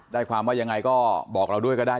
ความว่ายังไงก็บอกเราด้วยก็ได้